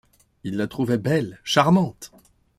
Il la trouvait belle, charmante !